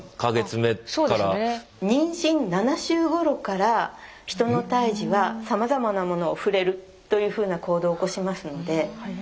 妊娠７週ごろからヒトの胎児はさまざまなものを触れるというふうな行動を起こしますので。